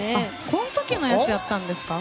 この時のやつやったんですか？